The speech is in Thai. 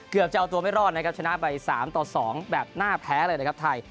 เกือบจะเอาตัวไม่รอดนะครับชนะไป๓ต่อ๒แบบน่าแพ้เลยนะครับไทย